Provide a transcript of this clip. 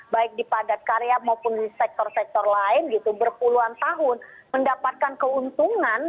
baik di padat karya maupun di sektor sektor lain gitu berpuluhan tahun mendapatkan keuntungan